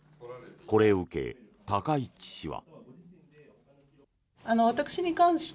これを受け、高市氏は。